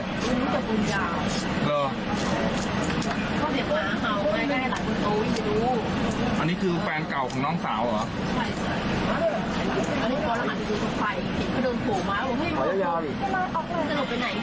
อันนี้คือแฟนเก่าของน้องสาวเหรอ